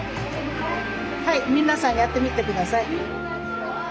はい皆さんやってみて下さい。